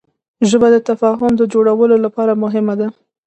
ژبه د تفاهم د جوړولو لپاره مهمه ده